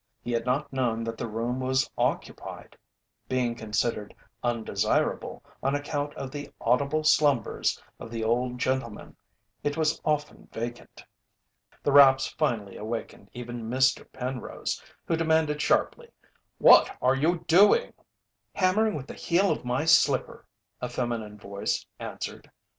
He had not known that the room was occupied; being considered undesirable on account of the audible slumbers of the old gentleman it was often vacant. The raps finally awakened even Mr. Penrose, who demanded sharply: "What are you doing?" "Hammering with the heel of my slipper," a feminine voice answered.